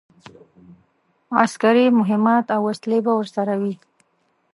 عسکري مهمات او وسلې به ورسره وي.